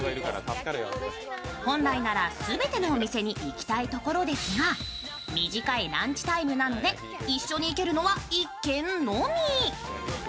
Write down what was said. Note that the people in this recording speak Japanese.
本来なら全てのお店に行きたいところですが、短いランチタイムなので一緒に行けるのは１軒のみ。